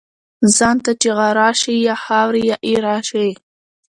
ځان ته چی غره شی ، یا خاوري یا ايره شی .